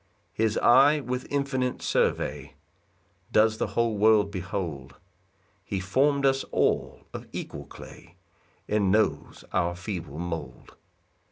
2 His eye, with infinite survey, Does the whole world behold; He form'd us all of equal clay, And knows our feeble mould.